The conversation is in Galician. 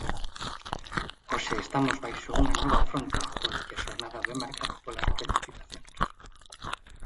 Hoxe estamos baixo unha nova fronte polo que a xornada vén marcada polas precipitacións.